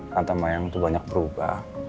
tante mayang tuh banyak berubah